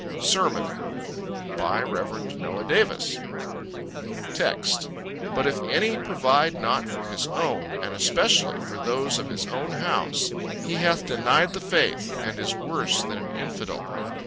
SERMON. BY REV. NOAH DAVIS TEXT. "But if any provide not for his own, and especially for those of his own house, he hath denied the faith, and is worse than an infidel."